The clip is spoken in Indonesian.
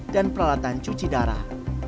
dan peralatan cuci darah